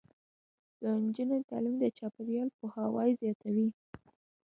د نجونو تعلیم د چاپیریال پوهاوی زیاتوي.